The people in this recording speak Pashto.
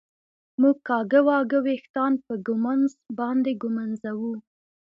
مونږ کاږه واږه وېښتان په ږمونځ باندي ږمنځوو